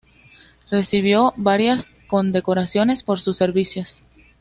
Recibió varias condecoraciones por sus servicios.